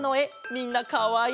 みんなかわいい！